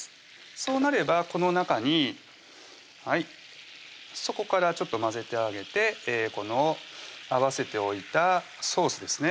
そうなればこの中に底からちょっと混ぜてあげてこの合わせておいたソースですね